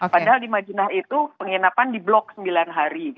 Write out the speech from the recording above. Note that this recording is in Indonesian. padahal di madinah itu penginapan di blok sembilan hari